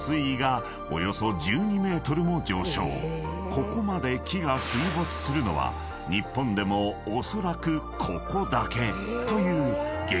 ［ここまで木が水没するのは日本でもおそらくここだけという激